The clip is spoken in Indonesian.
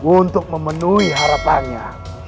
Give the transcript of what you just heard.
untuk memenuhi harapannya